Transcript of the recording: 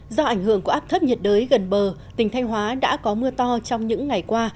do ảnh hưởng của áp thấp nhiệt đới gần bờ tỉnh thanh hóa đã có mưa to trong những ngày qua